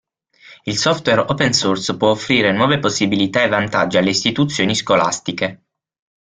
Il software open source può offrire nuove possibilità e vantaggi alle istituzioni scolastiche.